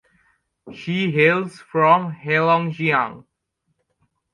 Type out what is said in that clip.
She hails from Heilongjiang.